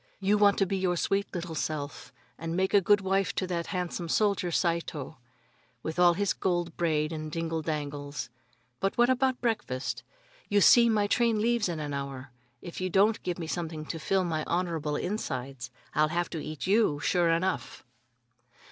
You want to be your sweet little self, and make a good wife to that handsome soldier Saito, with all his gold braid and dingle dangles. But what about breakfast? You see, my train leaves in an hour. If you don't give me something to fill my honorable insides, I'll have to eat you, sure enough."